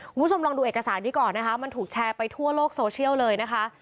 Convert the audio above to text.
คุณผู้ชมลองดูเอกสารนี้ก่อนนะคะมันถูกแชร์ไปทั่วโลกโซเชียลเลยนะคะ